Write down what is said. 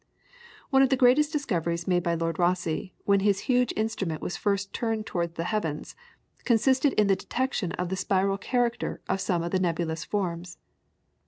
One of the greatest discoveries made by Lord Rosse, when his huge instrument was first turned towards the heavens, consisted in the detection of the spiral character of some of the nebulous forms.